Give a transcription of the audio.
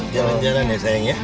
jalan jalan ya sayang ya